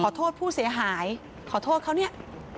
โทษผู้เสียหายขอโทษเขาเนี่ย